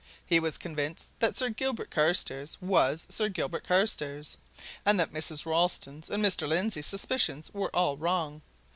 He was convinced that Sir Gilbert Carstairs was Sir Gilbert Carstairs, and that Mrs. Ralston's and Mr. Lindsey's suspicions were all wrong.